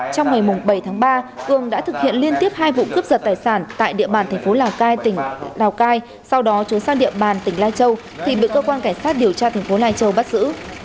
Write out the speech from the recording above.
cường đã thực hiện liên tiếp hai vụ cướp giật tài sản tại địa bàn tp lào cai sau đó trốn sang địa bàn tp lai châu thì bị cơ quan cảnh sát điều tra tp lai châu bắt giữ